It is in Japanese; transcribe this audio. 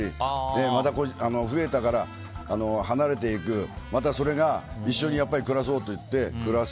家族が増えたり増えたから離れていくまたそれが一緒に暮らそうといって暮らす。